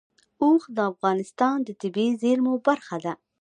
اوښ د افغانستان د طبیعي زیرمو برخه ده.